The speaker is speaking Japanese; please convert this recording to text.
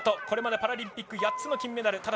これまでパラリンピック８つの金メダル。